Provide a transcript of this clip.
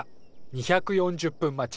２４０分待ち。